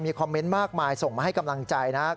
คอมเมนต์มากมายส่งมาให้กำลังใจนะครับ